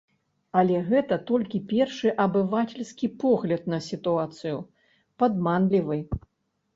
Але гэта толькі першы абывацельскі погляд на сітуацыю, падманлівы.